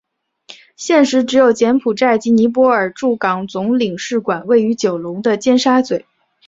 现时只有柬埔寨及尼泊尔驻港总领事馆位于九龙的尖沙咀。